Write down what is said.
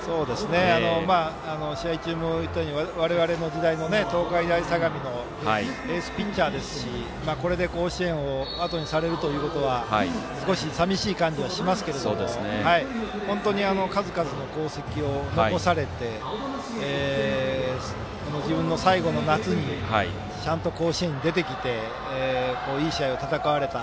試合中も言ったように我々の時代の東海大相模のエースピッチャーですしこれで甲子園をあとにされるということは少し寂しい感じはしますが本当に数々の功績を残されて自分の最後の夏にちゃんと甲子園に出てきていい試合を戦われた。